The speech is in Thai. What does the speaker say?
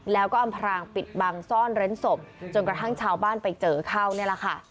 แล้วก็อำพรางปิดบังซ่อนเร้นศพจนกระทั่งชาวบ้านไปเจอเข้านี่แหละค่ะ